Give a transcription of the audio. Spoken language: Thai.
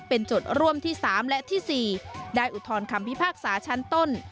เป็นโจทย์ร่วมที่๓และที่๔ได้อุทธรณคำพิพากษาชั้นต้น